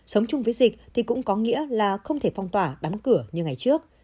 sống chung với dịch thì cũng có nghĩa là không thể phong tỏa đóng cửa như ngày trước